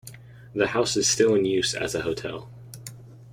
The house is still in use as a hotel.